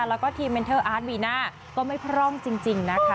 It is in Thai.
แล้วก็ทีมเมนเทอร์อาร์ตวีน่าก็ไม่พร่องจริงนะคะ